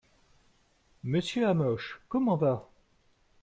Monsieur Hamoche, comment va?